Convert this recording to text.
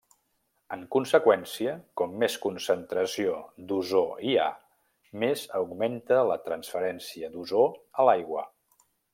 En conseqüència, com més concentració d'ozó hi ha, més augmenta la transferència d'ozó a l'aigua.